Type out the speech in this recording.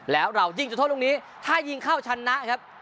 แล้วเรายิงจุดโทษตรงนี้ถ้ายิงเข้าชนะครับ